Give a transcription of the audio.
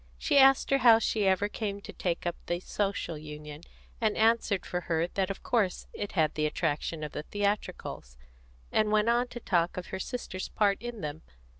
She asked her how she ever came to take up the Social Union, and answered for her that of course it had the attraction of the theatricals, and went on to talk of her sister's part in them.